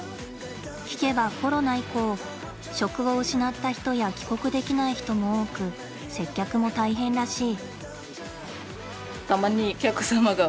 聞けばコロナ以降職を失った人や帰国できない人も多く接客も大変らしい。